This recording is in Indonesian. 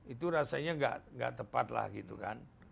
itu rasanya gak tepatlah gitu kan